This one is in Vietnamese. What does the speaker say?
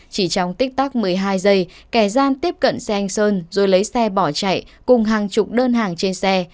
chỉ trong tích tắc một mươi hai giây kẻ gian tiếp cận xe anh sơn rồi lấy xe bỏ chạy cùng hàng chục đơn hàng trên xe